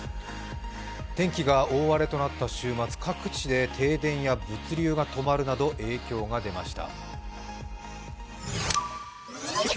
天気が大荒れとなった週末、各地で停電や物流が止まるなど影響が出ました。